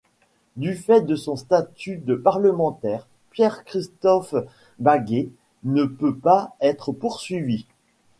Du fait de son statut de parlementaire, Pierre-Christophe Baguet ne peut pas être poursuivi.